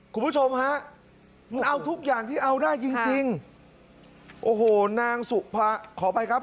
คุณผู้ชมฮะมันเอาทุกอย่างที่เอาได้จริงจริงโอ้โหนางสุภาขออภัยครับ